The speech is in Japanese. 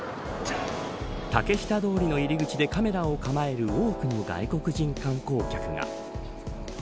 竹下通りの入り口でカメラを構える多くの外国人観光客が。